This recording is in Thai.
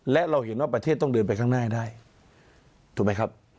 และเราเห็นว่าประเทศต้องเดินไปข้างหน้าให้ได้ถูกไหมครับ